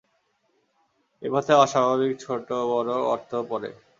এ পথে অস্বাভাবিক ছোট বড় গর্ত পড়ে।